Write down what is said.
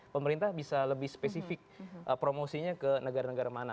pemerintah bisa lebih spesifik promosinya ke negara negara mana